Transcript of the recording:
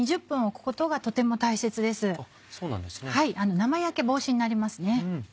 生焼け防止になります。